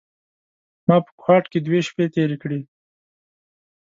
ما په کوهاټ کې دوې شپې تېرې کړې.